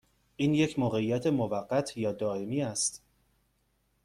این یک موقعیت موقت یا دائمی است؟